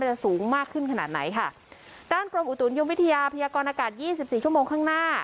จะสูงมากขึ้นขนาดไหนค่ะด้านกรมอุตุนิยมวิทยาพยากรอากาศยี่สิบสี่ชั่วโมงข้างหน้า